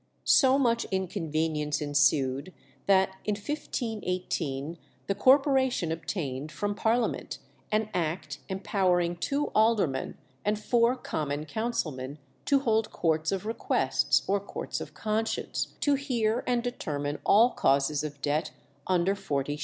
So much inconvenience ensued, that in 1518 the Corporation obtained from Parliament an act empowering two aldermen and four common councilmen to hold Courts of Requests, or Courts of Conscience, to hear and determine all causes of debt under 40_s.